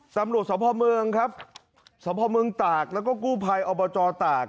ตำรวจสพเมืองครับสพเมืองตากแล้วก็กู้ภัยอบจตาก